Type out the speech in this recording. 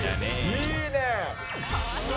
いいね。